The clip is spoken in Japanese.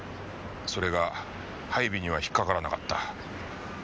それが配備には引っかからなかった。